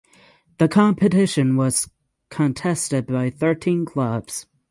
The competition was contested by thirteen clubs.